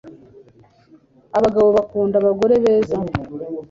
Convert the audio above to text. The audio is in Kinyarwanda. Abagabo bakunda abagore beza